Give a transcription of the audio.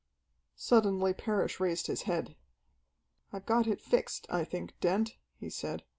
Suddenly Parrish raised his head. "I've got it fixed, I think, Dent," he said.